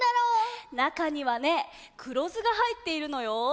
なかにはねくろずがはいっているのよ。